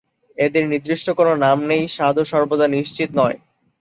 এদের নির্দিষ্ট কোনো নাম নেই, স্বাদও সর্বদা নিশ্চিত নয়।